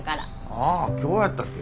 ああ今日やったっけ。